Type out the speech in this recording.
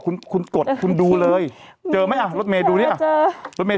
คุณคุณกดคุณดูเลยเจอไหมอ่ะรถเมย์ดูดิอ่ะเจอรถเมย